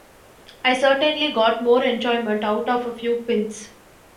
I certainly got more enjoyment out of a few pints.